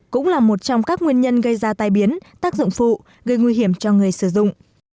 cũng là một trong các nguyên nhân gây ra tai biến tác dụng phụ gây nguy hiểm cho người sử dụng